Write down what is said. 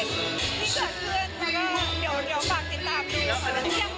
แล้วมีได้ทำอะไรกันด้วยแต่ขออบไว้ความลับก่อน